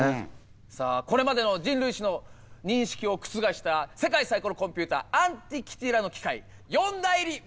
さあこれまでの人類史の認識を覆した世界最古のコンピューターアンティキティラの機械四大入り皆さん